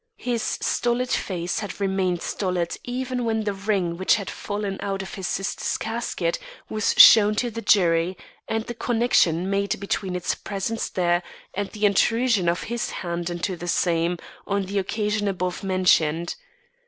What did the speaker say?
His stolid face had remained stolid even when the ring which had fallen out of his sister's casket was shown to the jury and the connection made between its presence there and the intrusion of his hand into the same, on the occasion above mentioned.